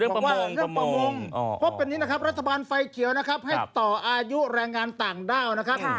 เพราะเป็นนี้นะคะรัฐบาลไฟเขียวให้ต่ออายุแรงงานต่างด้าวนะครับ